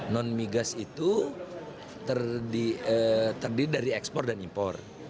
non migas itu terdiri dari ekspor dan impor